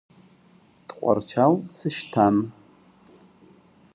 Тҟәарчал сышьҭан.